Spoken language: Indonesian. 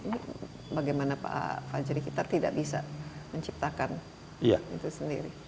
ini bagaimana pak fajri kita tidak bisa menciptakan itu sendiri